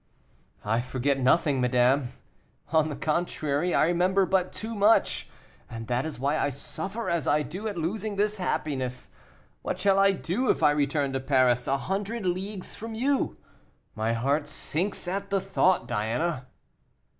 "I forget nothing, madame; on the contrary, I remember but too much, and that is why I suffer as I do at losing this happiness. What shall I do if I return to Paris, a hundred leagues from you? My heart sinks at the thought, Diana."